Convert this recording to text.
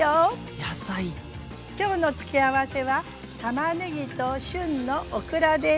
今日の付け合わせはたまねぎと旬のオクラです。